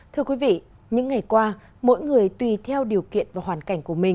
thưa quý vị những ngày qua mỗi người tùy theo điều kiện và hoàn cảnh